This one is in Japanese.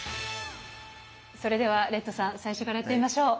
それではレッドさん最初からやってみましょう！